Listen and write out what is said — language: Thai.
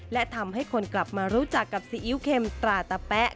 และทำให้คนกลับมารู้จักกับซีอิ๊วเข็มตราตะแป๊ะ